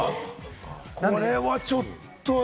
これはちょっと。